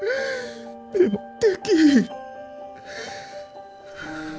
でもできひん。